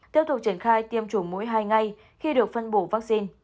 tiếp tục triển khai tiêm chủng mỗi hai ngày khi được phân bổ vaccine